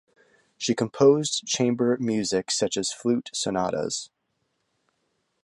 She composed chamber music, such as flute sonatas.